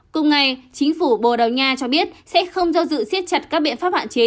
cùng ngày chính phủ bồ đào nha cho biết sẽ không do dự siết chặt các biện pháp hạn chế